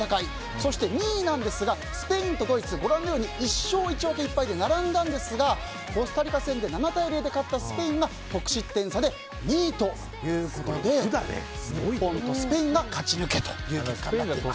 そして、２位なんですがスペインとドイツが１勝１分け１敗で並んだんですがコスタリカ戦で７対０で勝ったスペインが得失点差で２位ということで日本とスペインが勝ち抜けという結果となっています。